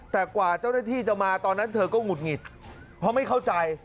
แต่กว่าเจ้าหน้าที่จะมาตอนนั้นเธอก็หงุดหงิดเพราะไม่เข้าใจ